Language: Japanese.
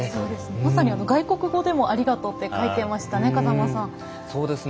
まさに外国語でもありがとうと書いていましたね